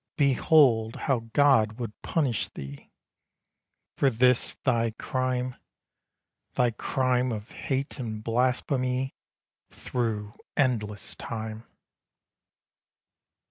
Behold, how God would punish thee! For this thy crime Thy crime of hate and blasphemy Through endless time!